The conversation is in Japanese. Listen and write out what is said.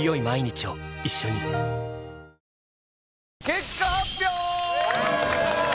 結果発表！